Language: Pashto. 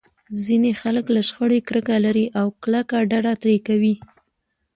ځينې خلک له شخړې کرکه لري او کلکه ډډه ترې کوي.